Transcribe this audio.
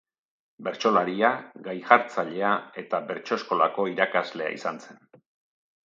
Bertsolaria, gai jartzailea eta bertso-eskolako irakaslea izan zen.